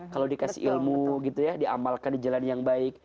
kalau dikasih ilmu gitu ya diamalkan di jalan yang baik